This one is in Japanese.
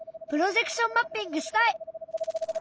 プロジェクションマッピングしたい！